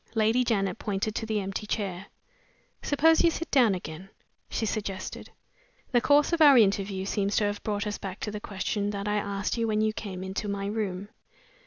Lady Janet pointed to the empty chair. "Suppose you sit down again?" she suggested. "The course of our interview seems to have brought us back to the question that I asked you when you came into my room.